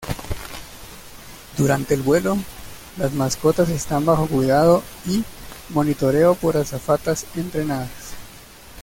Durante el vuelo, las mascotas están bajo cuidado y monitoreo por azafatas entrenadas.